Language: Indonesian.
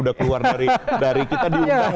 udah keluar dari kita diundang